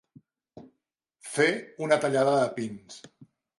Fer una tallada de pins.